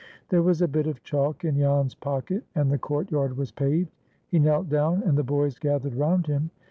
There was a bit of chalk in Jan's pocket, and the courtyard was paved. He knelt down, and the boys gathered round him.